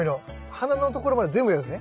花のところまで全部やるんですね。